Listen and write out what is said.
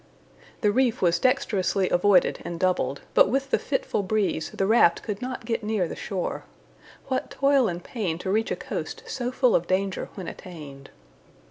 The reef was dexterously avoided and doubled, but with the fitful breeze the raft could not get near the shore. What toil and pain to reach a coast so full of danger when attained.